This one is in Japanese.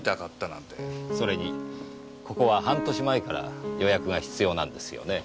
それにここは半年前から予約が必要なんですよね？